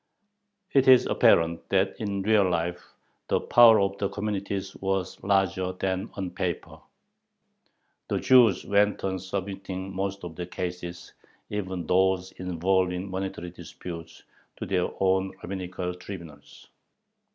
It is apparent that in real life the power of the communities was larger than on paper. The Jews went on submitting most of their cases, even those involving monetary disputes, to their own rabbinical tribunals.